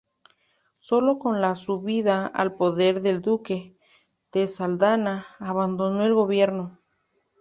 Sólo con la subida al poder del Duque de Saldanha abandonó el gobierno.